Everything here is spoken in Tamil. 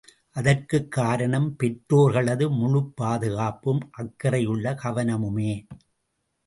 அதற்குக் காரணம் பெற்றோர்களது முழுப் பாதுகாப்பும் அக்கறையுள்ள கவனமுமே.